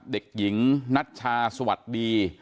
เด็กหญิงนัชชาสวัสดี